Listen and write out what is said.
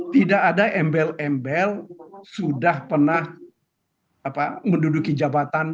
tidak ada embel embel sudah pernah menduduki jabatan